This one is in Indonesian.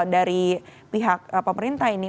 dari pihak pemerintah ini